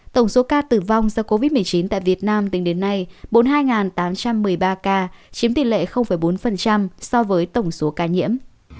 tổng số ca tử vong do covid một mươi chín tại việt nam tính đến nay bốn mươi hai tám trăm một mươi ba ca chiếm tỷ lệ bốn so với tổng số ca nhiễm